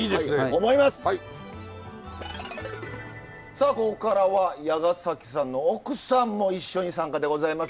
さあここからは矢ケ崎さんの奥さんも一緒に参加でございます。